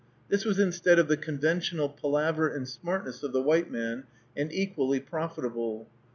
This was instead of the conventional palaver and smartness of the white man, and equally profitable.